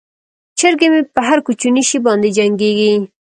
چرګې مې په هر کوچني شي باندې جنګیږي.